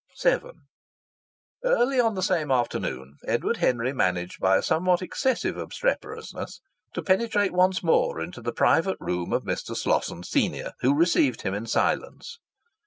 VII Early on the same afternoon Edward Henry managed by a somewhat excessive obstreperousness to penetrate once more into the private room of Mr. Slosson, senior, who received him in silence.